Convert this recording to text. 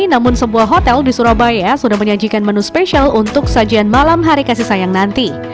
namun sebuah hotel di surabaya sudah menyajikan menu spesial untuk sajian malam hari kasih sayang nanti